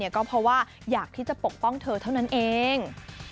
ก็เพราะว่าอยากที่จะปกป้องเธอเท่านั้นเอง